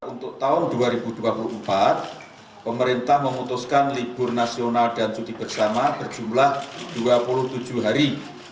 untuk tahun dua ribu dua puluh empat pemerintah memutuskan libur nasional dan cuti bersama berjumlah dua puluh tujuh hari